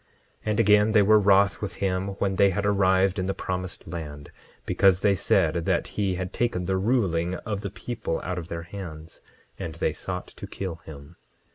10:15 And again, they were wroth with him when they had arrived in the promised land, because they said that he had taken the ruling of the people out of their hands; and they sought to kill him.